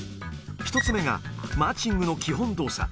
１つ目が、マーチングの基本動作。